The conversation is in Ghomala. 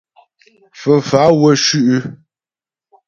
Fə́fá'a wə́ shʉ'.